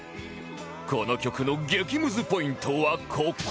この曲の激ムズポイントはここ